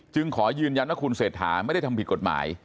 ขอยืนยันว่าคุณเศรษฐาไม่ได้ทำผิดกฎหมาย